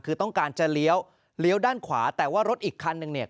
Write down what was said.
คือต้องการจะเลี้ยวเลี้ยวด้านขวาแต่ว่ารถอีกคันนึงเนี่ย